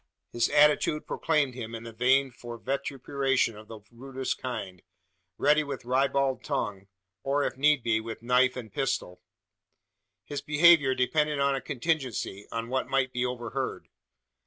His attitude proclaimed him in the vein for vituperation of the rudest kind ready with ribald tongue; or, if need be, with knife and pistol! His behaviour depended on a contingency on what might be overheard.